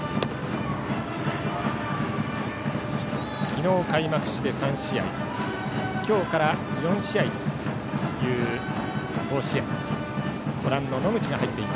昨日開幕して３試合今日から４試合という甲子園。